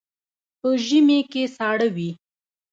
په ژمي کې ساړه وي.